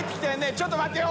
ちょっと待ってよ！